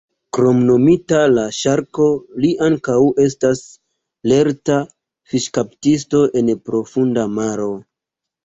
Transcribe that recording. Kromnomita "La Ŝarko", li ankaŭ estas lerta fiŝkaptisto en profunda maro.